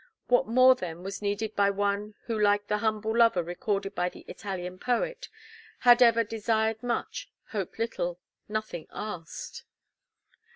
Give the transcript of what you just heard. What more then was needed by one who like the humble lover recorded by the Italian poet, had ever "Desired much, hoped little, nothing asked."